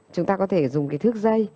chúng ta có thể dùng cái thước dây